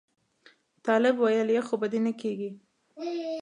طالب ویل یخ خو به دې نه کېږي.